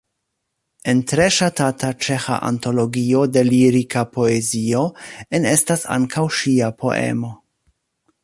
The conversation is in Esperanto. En tre ŝatata ĉeĥa antologio de lirika poezio enestas ankaŭ ŝia poemo.